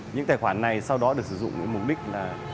những tài khoản này sau đó được sử dụng mục đích là